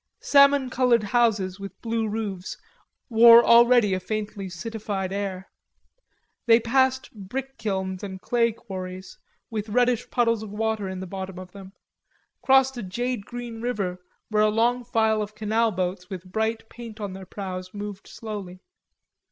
Salmon colored houses with blue roofs wore already a faintly citified air. They passed brick kilns and clay quarries, with reddish puddles of water in the bottom of them; crossed a jade green river where a long file of canal boats with bright paint on their prows moved slowly.